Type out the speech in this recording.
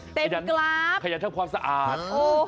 เป็นกราฟขยันทำความสะอาด